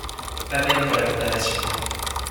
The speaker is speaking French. Pas même pour la condamnation.